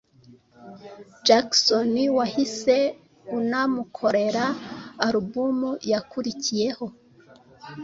Jackson wahise unamukorera album yakurikiyeho